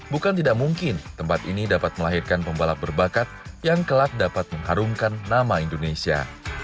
bukan tidak mungkin tempat ini dapat melahirkan pembalap berbakat yang kelak dapat mengharumkan nama indonesia